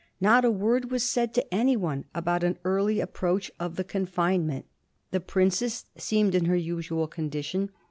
Not a word was said to any one about an early approach of the confinement. The princess seemed in her usual condition.